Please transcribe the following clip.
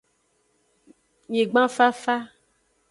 Nyigban fafa.